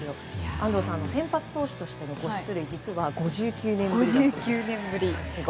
安藤さん、先発投手としての５出塁は５９年ぶりなんです。